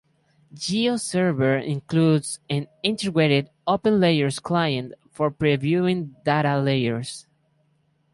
GeoServer includes an integrated OpenLayers client for previewing data layers.